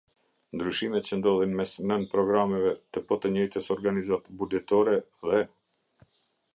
Ndryshimet që ndodhin mes nën-programeve të po të njëjtës organizatë buxhetore, dhe.